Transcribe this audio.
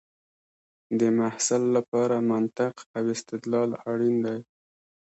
د محصل لپاره منطق او استدلال اړین دی.